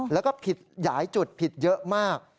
แล้วก็ผิดหลายจุดผิดเยอะมาก